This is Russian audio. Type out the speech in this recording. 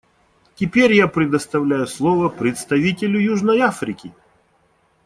Теперь я предоставляю слово представителю Южной Африки.